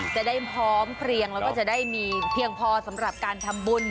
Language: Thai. จะได้พร้อมเพลียงแล้วก็จะได้มีเพียงพอสำหรับการทำบุญ